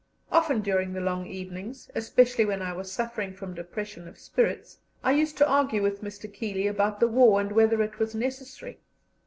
Often during the long evenings, especially when I was suffering from depression of spirits, I used to argue with Mr. Keeley about the war and whether it was necessary.